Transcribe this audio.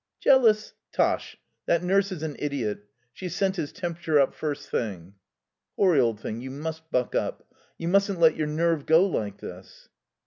"Jealous? Tosh! That nurse is an idiot. She's sent his temperature up first thing." "Horry, old thing, you must buck up. You mustn't let your nerve go like this."